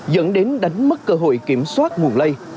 đánh mất cơ hội kiểm soát nguồn lây